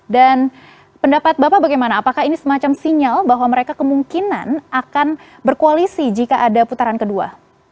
dan pendapat bapak bagaimana apakah ini semacam sinyal bahwa mereka kemungkinan akan berkoalisi jika ada putaran kedua